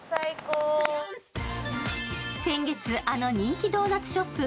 先月、あの人気ドーナツショップ